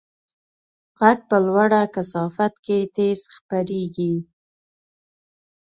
غږ په لوړه کثافت کې تېز خپرېږي.